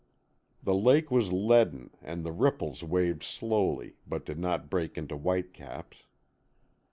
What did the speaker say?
The lake was leaden, and the ripples waved slowly but did not break into whitecaps.